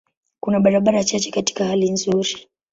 Kuna barabara chache katika hali nzuri.